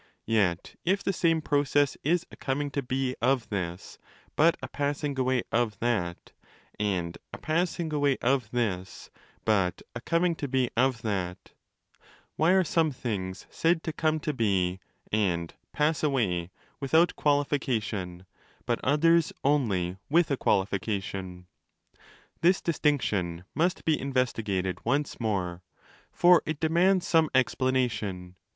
Yet, if the same process is a coming to be of ¢kzs but a passing away of ¢ha/, and a passing away of zhis but a coming to be of that, why are some things said to come to be and pass away without qualification, but others only with a qualification? This distinction must be investigated once more,' for it demands some explanation.